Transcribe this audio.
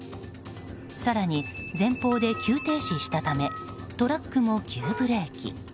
更に、前方で急停止したためトラックも急ブレーキ。